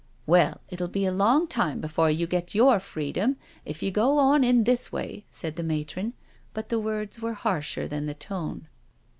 " Well, it'll be a long time before you get your freedom, if you go on in this way," said the matron, but the words were harsher than the tone.